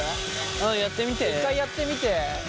うんやってみて。